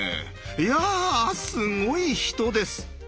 いやすごい人です。